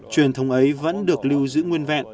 truyền thống ấy vẫn được lưu giữ nguyên vẹn